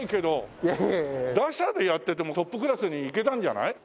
打者でやっててもトップクラスにいけたんじゃない？